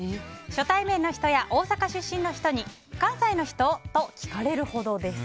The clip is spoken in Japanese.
初対面の人や大阪出身の人に関西の人？と聞かれるほどです。